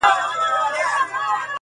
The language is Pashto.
دلته برېتورو له مردیه لاس پرېولی دی.!